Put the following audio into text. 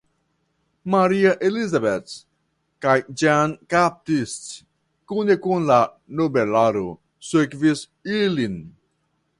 Marie Elizabeth kaj Jean Baptiste kune kun la nobelaro sekvis ilin.